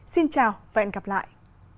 xin chào và hẹn gặp lại